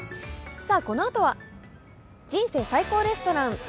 このあとは「人生最高レストラン」。